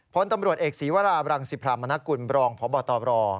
พลตำรวจเอกศีวราบรังสิพรามนกุลบรองพบตร